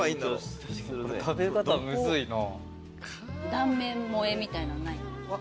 断面萌えみたいなのないの？